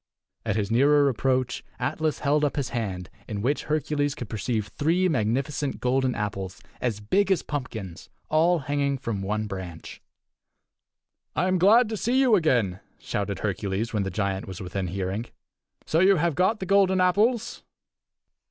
At his nearer approach Atlas held up his hand in which Hercules could perceive three magnificent golden apples as big as pumpkins, and all hanging from one branch. "I am glad to see you again," shouted Hercules when the giant was within hearing. "So you have got the golden apples?"